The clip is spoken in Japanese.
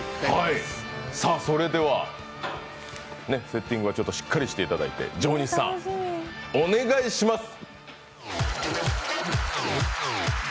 セッティングはしっかりしていただいて上西さん、お願いします。